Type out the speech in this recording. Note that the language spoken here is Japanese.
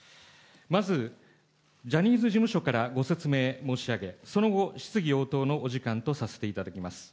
まずジャニーズ事務所からご説明申し上げ、その後、質疑応答のお時間とさせていただきます。